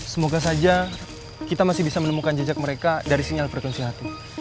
semoga saja kita masih bisa menemukan jejak mereka dari sinyal frekuensi hati